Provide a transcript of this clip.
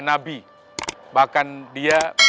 nabi bahkan dia